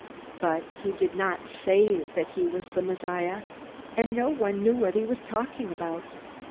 But he did not say that he was the Messiah, and no one knew what he was talking about.